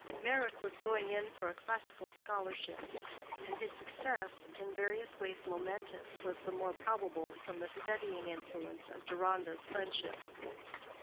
Meyrick was going in for a classical scholarship, and his success, in various ways momentous, was the more probable from the steadying influence of Deronda's friendship.